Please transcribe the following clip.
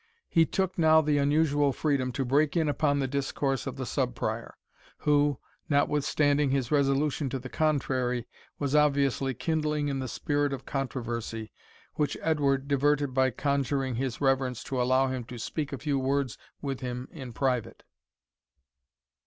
He took now the unusual freedom to break in upon the discourse of the Sub Prior, who, notwithstanding his resolution to the contrary, was obviously kindling in the spirit of controversy, which Edward diverted by conjuring his reverence to allow him to speak a few words with him in private.